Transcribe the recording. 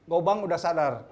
gobang udah sadar